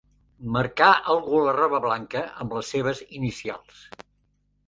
Marcar algú la roba blanca amb les seves inicials.